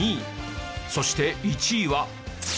そして１位は。